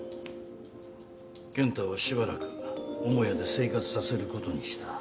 健太はしばらく母屋で生活させることにした。